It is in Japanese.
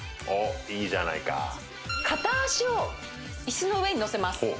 おっいいじゃないか片脚をイスの上に乗せます